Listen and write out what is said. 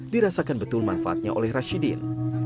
dirasakan betul manfaatnya oleh rashidin